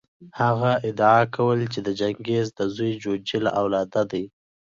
هغه ادعا کوله چې د چنګیز د زوی جوجي له اولاده دی.